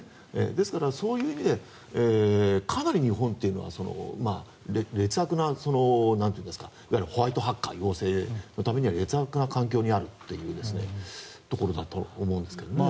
ですから、そういう意味でかなり日本っていうのは劣悪ないわゆるホワイトハッカー養成のためには劣悪な環境にあるというところだと思うんですが。